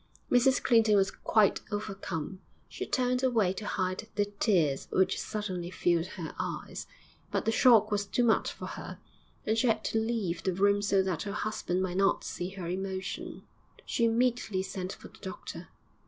Mrs Clinton was quite overcome; she turned away to hide the tears which suddenly filled her eyes, but the shock was too much for her, and she had to leave the room so that her husband might not see her emotion; she immediately sent for the doctor.